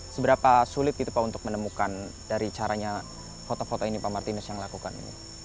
seberapa sulit gitu pak untuk menemukan dari caranya foto foto ini pak martinus yang lakukan ini